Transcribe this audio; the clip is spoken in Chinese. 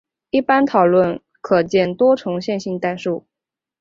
一般讨论可见多重线性代数。